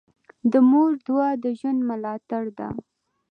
د مور دعا د ژوند ملاتړ ده.